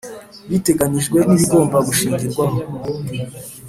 biteganijwe n ibigomba gushingirwaho